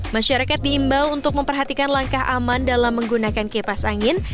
masyarakat diimbau untuk memperhatikan langkah aman dalam menggunakan kipas angin